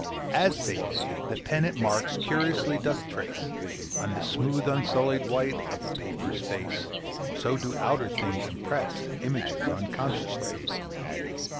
'As,' say they, 'the pen its marks Curiously doth trace On the smooth unsullied white Of the paper's face, So do outer things impress Images on consciousness.'